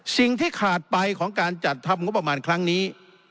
สิ่งที่ขาดไปของการจัดทำงบประมาณครั้งนี้